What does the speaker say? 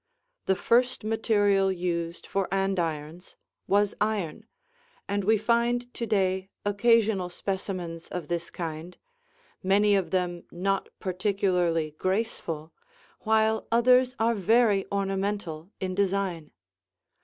The first material used for andirons was iron, and we find to day occasional specimens of this kind, many of them not particularly graceful, while others are very ornamental in design.